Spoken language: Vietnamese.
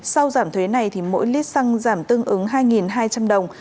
sau giảm thuế này mỗi lít xăng giảm tương ứng hai hai trăm linh đồng